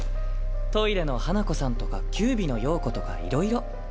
トイレの花子さんとか九尾の妖狐とかいろいろ。